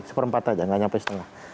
seperempat aja nggak sampai setengah